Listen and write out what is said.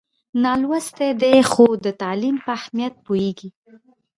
نالوستی دی خو د تعلیم په اهمیت پوهېږي.